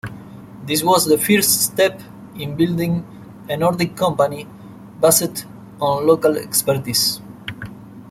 This was the first step in building a Nordic company based on local expertise.